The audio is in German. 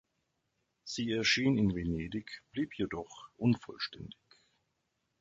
Sie erschien in Venedig, blieb jedoch unvollständig.